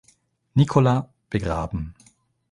Nikola begraben.